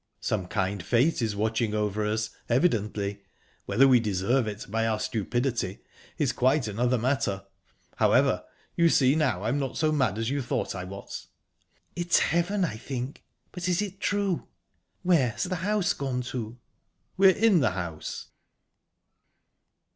"Some kind fate is watching over us, evidently. Whether we deserve it by our stupidity is quite another matter...However, you see now I'm not so mad as you thought I was?" "It's heaven, I think. But is it true?...Where has the house gone to?" "We're in the house."